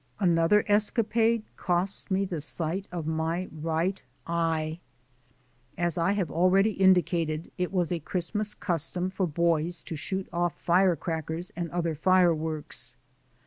Another escapade cost me the sight of my right eye. As I have already indicated, it was a Christ mas custom for boys to shoot off fire crackers and other fireworks.